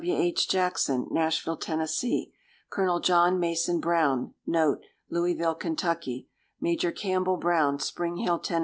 W. H. Jackson, Nashville, Tenn. Col. John Mason Brown,* Louisville, Ky. Major Campbell Brown, Spring Hill, Tenn.